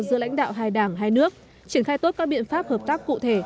giữa lãnh đạo hai đảng hai nước triển khai tốt các biện pháp hợp tác cụ thể